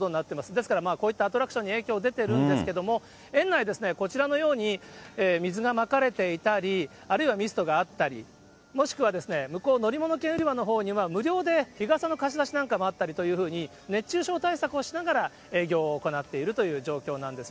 ですからこういったアトラクションに影響出てるんですけれども、園内、こちらのように水がまかれていたり、あるいはミストがあったり、もしくは向こう、乗り物券売り場のほうには、無料で日傘の貸し出しなんかもあったり、熱中症対策をしながら、営業を行っているという状況なんです。